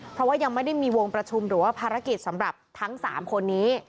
เพราะว่ายังไม่ได้มีวงประชุมหรือว่าภารกิจสำหรับทั้ง๓คนนี้